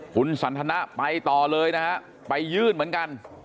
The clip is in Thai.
คุณสันทนะไปต่อเลยนะฮะไปยื่นเหมือนกัน